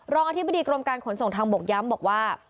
อธิบดีกรมการขนส่งทางบกย้ำบอกว่า